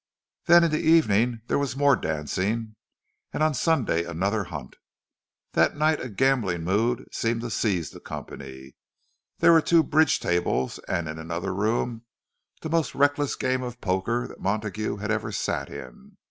Then in the evening there was more dancing, and on Sunday another hunt. That night a gambling mood seemed to seize the company—there were two bridge tables, and in another room the most reckless game of poker that Montague had ever sat in.